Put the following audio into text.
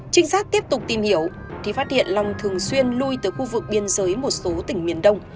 trinh sát tiếp tục tìm hiểu thì phát hiện long thường xuyên lui tới khu vực biên giới một số tỉnh miền đông